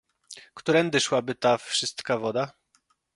"Którędy szłaby ta wszystka woda?"